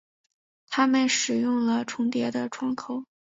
他们使用了重叠的窗口。